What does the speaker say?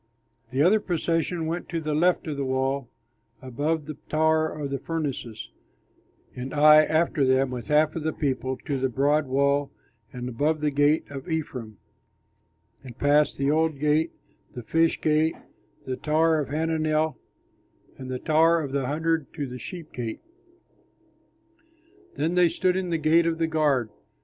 The other procession went to the left on the wall above the Tower of the Furnaces, and I after them, with half of the people, to the broad wall and above the Gate of Ephraim and past the Old Gate, the Fish Gate, the Tower of Hananel, and the Tower of the Hundred to the Sheep Gate. Then they stood in the Gate of the Guard.